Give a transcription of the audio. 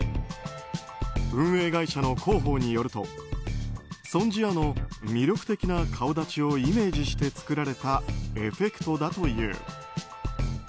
運営会社の広報によるとソン・ジアの魅力的な顔立ちをイメージして作られたエフェクトだという。